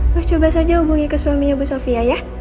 wah coba saja hubungi ke suaminya bu sofia ya